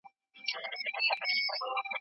ستا پر خاورو کندهاره څو سجدو ته مي زړه کیږي